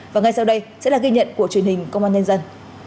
và ngay sau đây sẽ là ghi nhận của truyền hình công an nhân dân